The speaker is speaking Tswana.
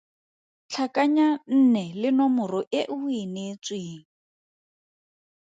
Tlhakanya nne le nomore e o e neetsweng.